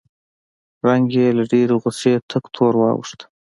رنګ یې له ډېرې غوسې تک تور واوښت